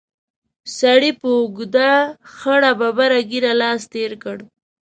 سړي په اوږده خړه ببره ږېره لاس تېر کړ.